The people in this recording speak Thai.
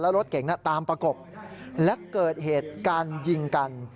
แล้วรถเก๋งน่ะตามประกบและเกิดเหตุการยิงกัน